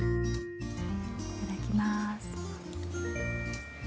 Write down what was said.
いただきます。